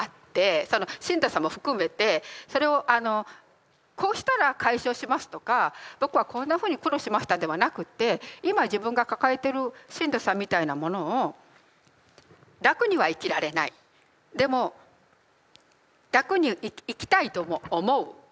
そのしんどさも含めてそれをこうしたら解消しますとか僕はこんなふうに苦労しましたではなくって今自分が抱えてるしんどさみたいなものを楽には生きられないでも楽に生きたいとも思う。